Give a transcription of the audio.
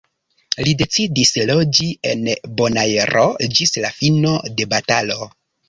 Li decidis loĝi en Bonaero ĝis la fino de batalo.